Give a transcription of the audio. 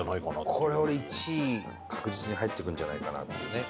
これ俺１位確実に入ってくるんじゃないかなっていうね。